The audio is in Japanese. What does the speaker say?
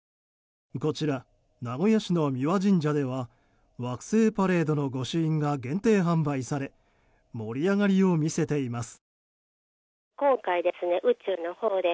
こちら、名古屋市の三輪神社では惑星パレードの御朱印が限定販売され盛り上がりを見せています。